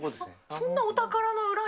そんなお宝の裏に？